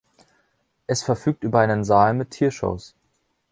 Es verfügt über einen Saal mit Tiershows.